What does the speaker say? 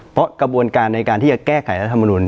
เพราะกระบวนการในการที่จะแก้ไขรัฐมนุน